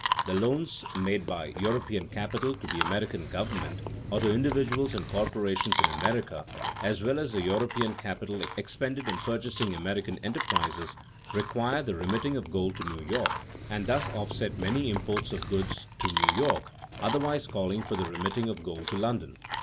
The loans made by European capital to the American government or to individuals and corporations in America, as well as the European capital expended in purchasing American enterprises, require the remitting of gold to New York, and thus offset many imports of goods to New York otherwise calling for the remitting of gold to London.